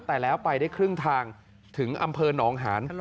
แต่แล้วไปได้ครึ่งทางถึงอำเภอหนองหาน